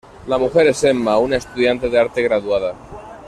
La mujer es Emma, una estudiante de arte graduada.